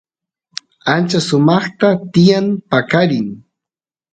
ancha sumaqta tiyan paqarin